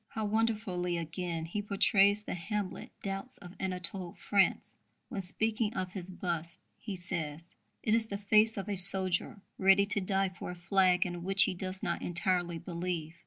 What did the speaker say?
How wonderfully, again, he portrays the Hamlet doubts of Anatole France, when, speaking of his bust, he says: "It is the face of a soldier ready to die for a flag in which he does not entirely believe."